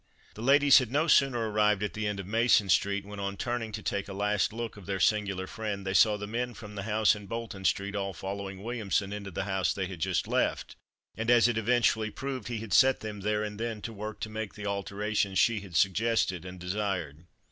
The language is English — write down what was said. The ladies had no sooner arrived at the end of Mason street, when on turning to take a last look of their singular friend they saw the men from the house in Bolton street all following Williamson into the house they had just left, and as it eventually proved he had set them there and then to work to make the alterations she had suggested and desired.